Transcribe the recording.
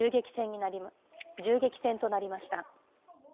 銃撃戦となりました。